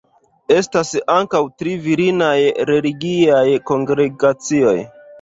Estas ankaŭ tri virinaj religiaj kongregacioj.